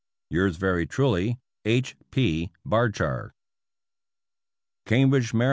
Yours very truly, H. P. Bardshar. Cambridge, Md.